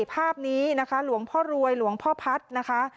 ภาพนี้นะคะหลวงพ่อรวยหลวงพ่อพัฒน์นะคะ